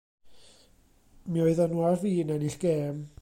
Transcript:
Mi oeddan nhw ar fin ennill gêm.